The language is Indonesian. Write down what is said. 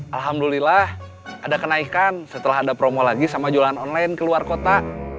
alhamdulillah ada kenaikan setelah ada promo lagi sama jualan online keluar kota